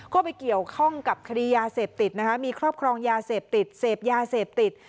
ก็ไปเกี่ยวข้องกับคดียาเสพติดนะคะมีครอบครองยาเสพติดเสพยาเสพติด